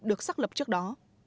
nước xác lập trước đó